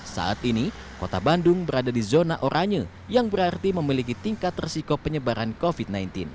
saat ini kota bandung berada di zona oranye yang berarti memiliki tingkat resiko penyebaran covid sembilan belas